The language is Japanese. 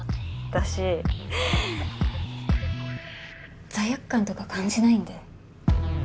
私罪悪感とか感じないんで。